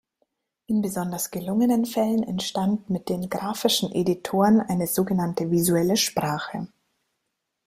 In besonders gelungenen Fällen entstand mit den grafischen Editoren eine sogenannte visuelle Sprache.